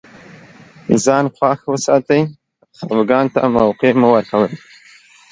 ځان خوښ وساتئ خفګان ته موقع مه ورکوی